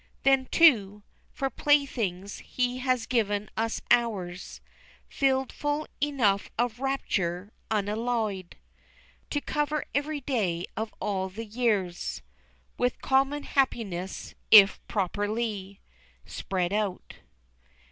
Then, too, for playthings he has given us hours Filled full enough of rapture unalloyed To cover every day of all the years With common happiness if properly Spread out.